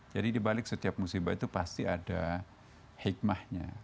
jadi di balik setiap musibah itu pasti ada hikmahnya